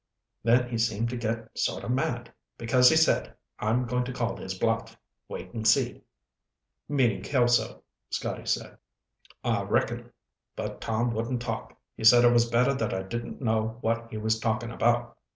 Then he seemed to get sort of mad, too, because he said, 'I'm going to call his bluff. Wait and see.'" "Meaning Kelso," Scotty said. "I reckon, but Tom wouldn't talk. He said it was better that I didn't know what he was talking about.